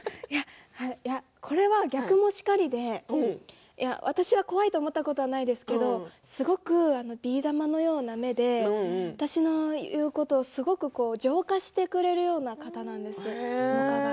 いやこれは、逆もしかりで私は怖いと思ったことはないですけど、すごくビー玉のような目で私の言うことすごく浄化してくれるような方なんです、萌歌が。